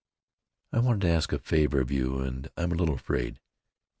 "I wanted to ask a favor of you, and I'm a little afraid."